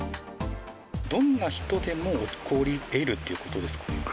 どんな人でも起こりえるっていうことですか。